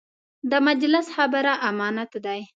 د مجلس خبره امانت دی.